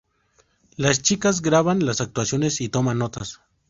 Las chicas graban las actuaciones y toman notas.